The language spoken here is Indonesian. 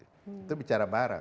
itu bicara bareng